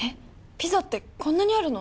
ピザってこんなにあるの？